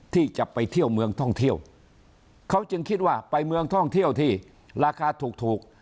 ที่จะไปเที่ยวเมืองท่องเที่ยวเขาจึงคิดว่าไปเมืองท่องเที่ยวที่ราคาถูก